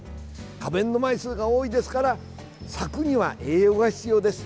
花弁の枚数が多いですから咲くには栄養が必要です。